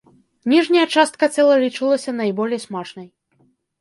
Ніжняя частка цела лічылася найболей смачнай.